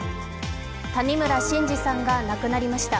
谷村新司さんが亡くなりました。